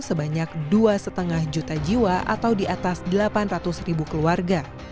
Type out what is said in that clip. sebanyak dua lima juta jiwa atau di atas delapan ratus ribu keluarga